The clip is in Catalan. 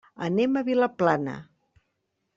Anem a Vilaplana.